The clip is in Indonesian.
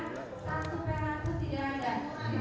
dana yang mengalami